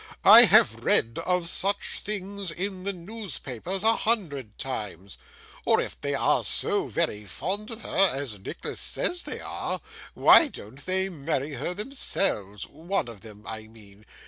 I have read of such things in the newspapers a hundred times. Or, if they are so very fond of her as Nicholas says they are, why don't they marry her themselves one of them I mean?